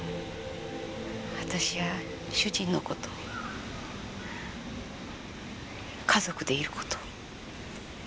私や主人の事家族でいる事。